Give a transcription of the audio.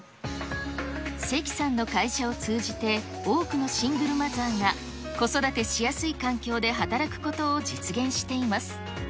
石さんの会社を通じて、多くのシングルマザーが子育てしやすい環境で働くことを実現しています。